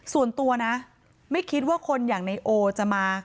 ส่วนตัวนะไม่คิดว่าคนอย่างในโอจะมา